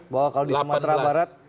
bahwa kalau di sumatera barat